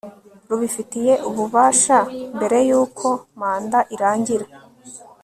rubifitiye ububasha mbere y uko manda irangira